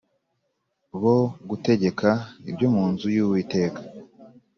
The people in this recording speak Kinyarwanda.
bo gutegeka ibyo mu nzu y Uwiteka